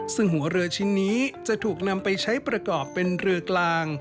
ซึ่งหัวเรือชิ้นนี้จะถูกนำไปใช้ประกอบเป็นเรือกลาง